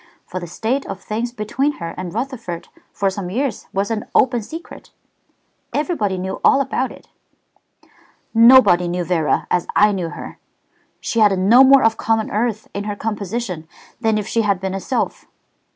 "For the state of things between her and Rutherford for some years was an open secret. Everybody knew all about it." "Nobody knew Vera as I knew her. She had no more of common earth in her composition than if she had been a sylph.